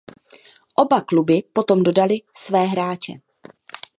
Oba kluby potom dodaly své hráče.